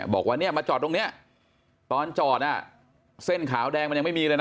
บอกว่าเนี่ยมาจอดตรงนี้ตอนจอดเส้นขาวแดงมันยังไม่มีเลยนะ